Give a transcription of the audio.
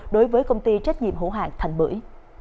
đối với công ty trách nhiệm hữu hạng thành bưởi